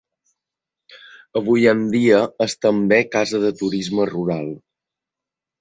Avui en dia és també casa de turisme rural.